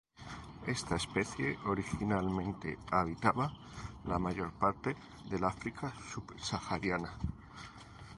Esta especie originalmente habitaba la mayor parte del África subsahariana.